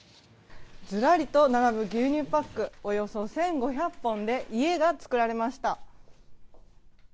ズラリと並ぶ牛乳パックおよそ１５００本で家が作られました。